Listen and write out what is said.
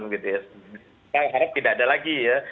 kita harap tidak ada lagi ya